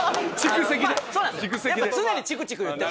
常にちくちく言ってたら。